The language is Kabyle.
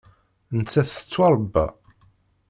Nettat tettwaṛebba.